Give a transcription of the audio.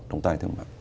trọng tài thương mại